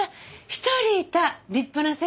１人いた立派な政治家。